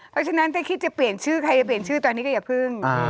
เพราะฉะนั้นถ้าคิดจะเปลี่ยนชื่อใครจะเปลี่ยนชื่อตอนนี้ก็อย่าพึ่ง